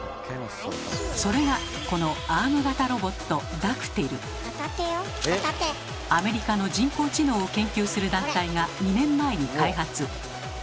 それがこのアメリカの人工知能を研究する団体が２年前に開発。